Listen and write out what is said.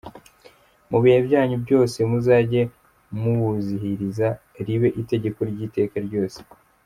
Mu bihe byanyu byose muzajye muwuziririza, ribe itegeko ry’iteka ryose.